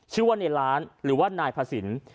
ชื่อว่าในร้านหรือว่านายพระสิน